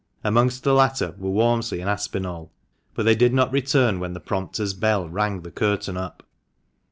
Amongst the latter were Walmsley and Aspinall ; but they did not return when the prompter's bell rang the curtain up.